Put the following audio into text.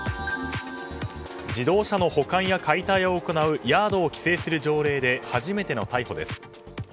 自動車の保管や解体を行うヤードを規制する条例で初めての逮捕です。